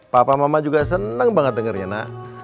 papa mama juga seneng banget dengernya nak